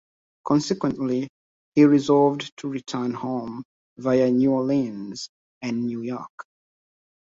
Consequently, he resolved to return home via New Orleans and New York.